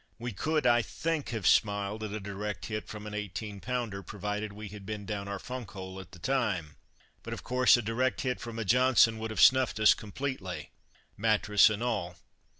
We could, I think, have smiled at a direct hit from an 18 pounder, provided we had been down our funk hole at the time; but, of course, a direct hit from a "Johnson" would have snuffed us completely (mattress and all).